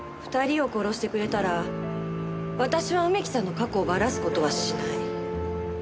２人を殺してくれたら私は梅木さんの過去をばらす事はしない。